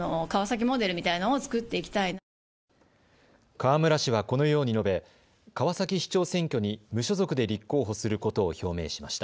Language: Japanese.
川村氏はこのように述べ川崎市長選挙に無所属で立候補することを表明しました。